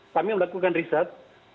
kami melakukan riset